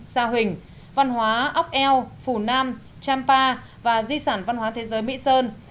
sa huỳnh văn hóa ốc eo phù nam champa và di sản văn hóa thế giới mỹ sơn